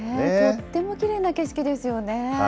とってもきれいな景色ですよね。